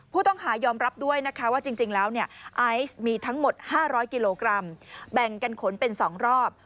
ผู้ต้องหายอมรับด้วยนะคะว่าจริงแล้วไอซ์มีทั้งหมด๕๐๐กิโลกรัมแบ่งกันขนเป็น๒รอบ